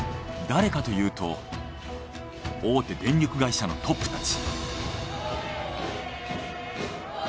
誰かというと大手電力会社のトップたち。